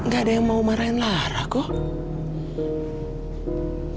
gak ada yang mau marahin lara kok